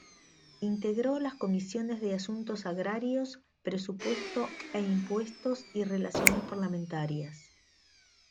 Integró las comisiones de Asuntos Agrarios, Presupuesto e Impuestos y Relaciones Parlamentarias.